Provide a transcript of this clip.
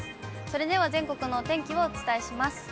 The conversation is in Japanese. それでは全国のお天気をお伝えします。